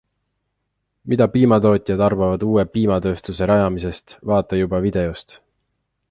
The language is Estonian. Mida piimatootjad arvavad uue piimatööstuse rajamisest, vaata juba videost!